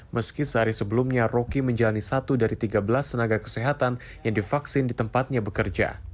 meski sehari sebelumnya rocky menjalani satu dari tiga belas tenaga kesehatan yang divaksin di tempatnya bekerja